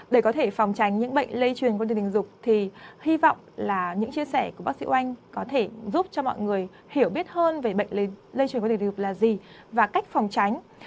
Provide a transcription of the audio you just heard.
để có thể phòng tránh những bệnh lây truyền qua truyền tình dục thì hy vọng là những chia sẻ của bác sĩ oanh có thể giúp cho mọi người hiểu biết hơn về bệnh lây truyền qua thể dục là gì và cách phòng tránh